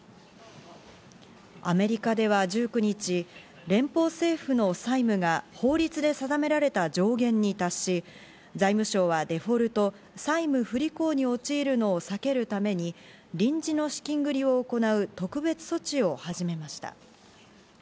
アメリカでは１９日、連邦政府の債務が法律で定められた上限に達し、財務省は、デフォルト＝債務不履行に陥るのを避けるために、臨時の資金繰りを行う特別措置を始めました。